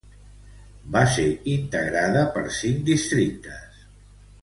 Va ser integrada per cinc districtes.